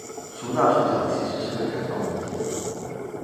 孰大孰小其实是个开放问题。